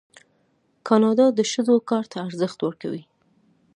کاناډا د ښځو کار ته ارزښت ورکوي.